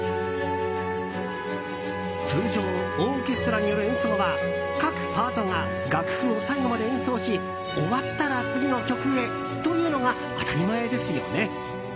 通常、オーケストラによる演奏は各パートが楽譜を最後まで演奏し終わったら次の曲へというのが当たり前ですよね。